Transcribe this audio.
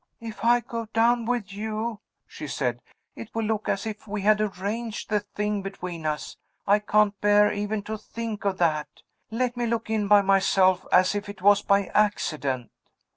"If I go down with you," she said, "it will look as if we had arranged the thing between us. I can't bear even to think of that. Let me look in by myself, as if it was by accident."